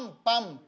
「パン」。